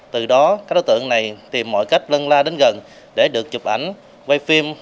từ đó các đối tượng này tìm mọi cách lân la đến gần để được chụp ảnh quay phim